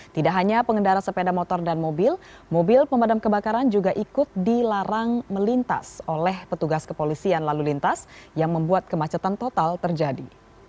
tidak hanya pengendara sepeda motor dan mobil mobil pemadam kebakaran juga ikut dilarang melintas oleh petugas kepolisian lalu lintas yang membuat kemacetan total terjadi